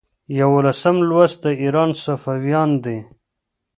یوولسم لوست د ایران صفویان دي.